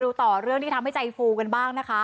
ต่อเรื่องที่ทำให้ใจฟูกันบ้างนะคะ